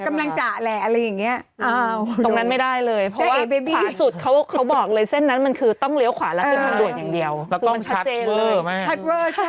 แม่ต้องอยู่เลนกลาง